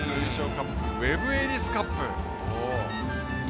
カップウェブ・エリス・カップです。